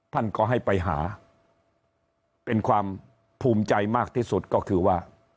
ท่านก็ให้ไปหาเป็นความภูมิใจมากที่สุดก็คือว่า